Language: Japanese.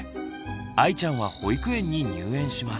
あいちゃんは保育園に入園します。